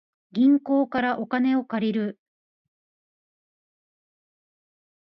銀行からお金を借りる